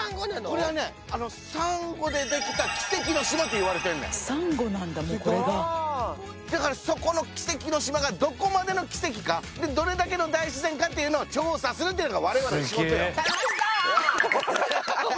これはねサンゴでできた奇跡の島っていわれてんねんすごいだからそこの奇跡の島がどこまでの奇跡かどれだけの大自然かっていうのを調査するっていうのが我々の仕事よ楽しそう！